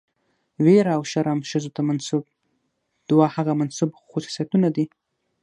ويره او شرم ښځو ته منسوب دوه هغه منسوب خصوصيتونه دي،